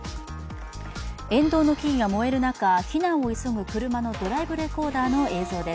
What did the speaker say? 沿道の木々が燃える中、避難を急ぐ車のドライブレコーダーの映像。